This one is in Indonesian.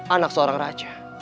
anak seorang raja